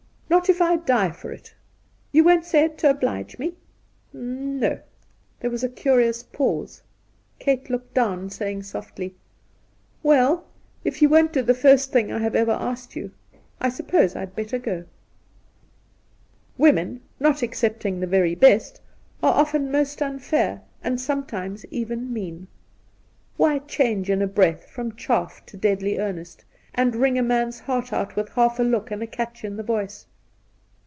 'Not ifl die for it!' ' You won't say it to oblige me ?'' N— no.' There was a curious pause. Kate looked down, saying softly :' Well, if you won't do the first thing I have ever asked you, I suppose I'd better go.' Women, not excepting the very best, are often most unfair, and sometimes even mean. Why change in a breath from chaff to deadly earnest, and wring a man's heart out with half a look and a catch in the voice